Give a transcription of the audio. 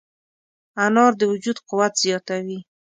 انار د وجود قوت زیاتوي.